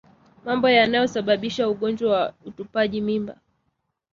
Mambo yanayosababisha ugonjwa wa utupaji mimba